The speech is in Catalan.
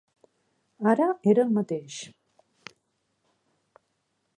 Ara era el mateix.